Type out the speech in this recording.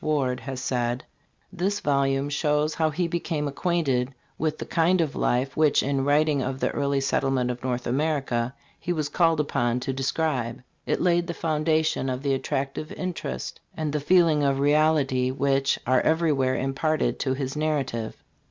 Ward,* has said: "This volume shows how he became acquainted with the kind of life which in writing of the early settlement of North America he was called upon to describe. It laid the foundation of the attractive interest and the feeling of reality which * See The Outlook, 1893. FRANCIS PARKMAN, LL D. THE HISTORIANS. 71 are every where imparted to his narrative.